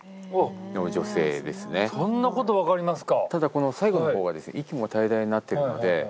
そんなこと分かりますか。